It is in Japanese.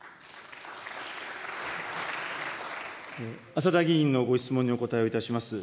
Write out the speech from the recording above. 浅田議員のご質問にお答えをいたします。